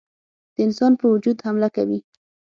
د انسان په وجود حمله کوي.